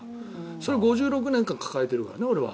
それは５６年間抱えているからね俺は。